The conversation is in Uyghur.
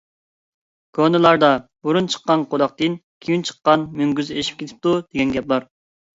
كونىلاردا: «بۇرۇن چىققان قۇلاقتىن، كېيىن چىققان مۈڭگۈز ئېشىپ كېتىپتۇ» دېگەن گەپ بار.